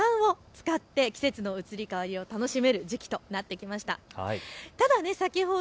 五感を使って季節の移り変わりを楽しめる時期となってきました。